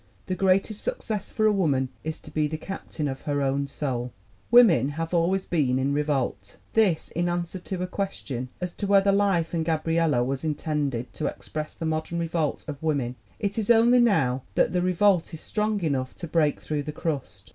The greatest success for a woman is to be the captain of her own soul. "Women have always been in revolt." (This in answer to a question as to whether Life and Gabriella was intended to express the modern revolt of wom en.) "It is only now that the revolt is strong enough to break through the crust.